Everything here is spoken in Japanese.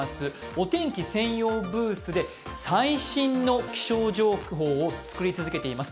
お天気専用ブースで最新の気象情報を作り続けています。